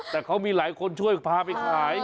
แต่เขามีหลายคนช่วยพาไปขาย